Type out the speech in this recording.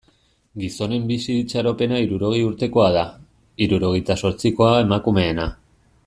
Gizonen bizi itxaropena hirurogei urtekoa da, hirurogeita zortzikoa emakumeena.